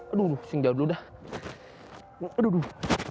aduh sing jauh dulu dah